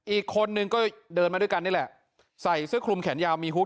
อีกคนนึงก็เดินมาด้วยกันนี่แหละใส่เสื้อคลุมแขนยาวมีฮุก